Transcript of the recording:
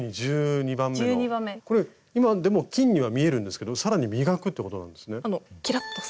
これ今でも金には見えるんですけど更に磨くってことなんですね？